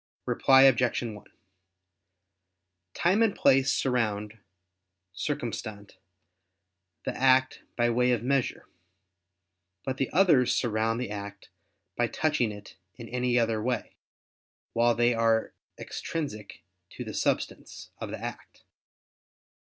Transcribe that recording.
Reply Obj. 1: Time and place surround (circumstant) the act by way of measure; but the others surround the act by touching it in any other way, while they are extrinsic to the substance of the act.